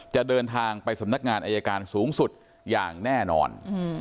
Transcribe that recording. จะเดินทางไปสำนักงานอายการสูงสุดอย่างแน่นอน